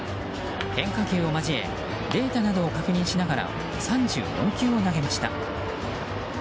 変化球を交えデータなどを確認しながら３４球を投げました。